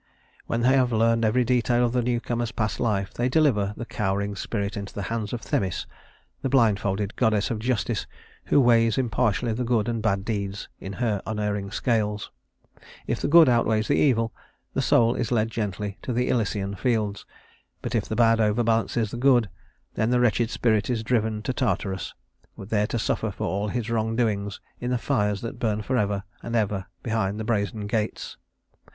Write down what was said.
When they have learned every detail of the newcomer's past life, they deliver the cowering spirit into the hands of Themis, the blindfolded goddess of justice, who weighs impartially the good and bad deeds in her unerring scales. If the good outweighs the evil, the soul is led gently to the Elysian Fields; but if the bad overbalances the good, then the wretched spirit is driven to Tartarus, there to suffer for all its wrongdoings in the fires that burn forever and ever behind the brazen gates.